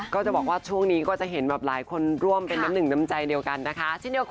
ก็จะบอกว่าช่วงนี้ก็จะเห็นแบบหลายคนร่วมเป็นน้ำหนึ่งน้ำใจเดียวกันนะคะ